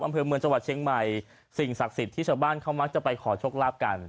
อำเภอเมืองจังหวัดเชียงใหม่สิ่งศักดิ์สิทธิ์ที่ชาวบ้านเขามักจะไปขอโชคลาภกัน